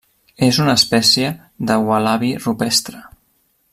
És una espècie de ualabi rupestre.